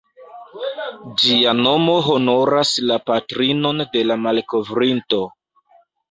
Ĝia nomo honoras la patrinon de la malkovrinto.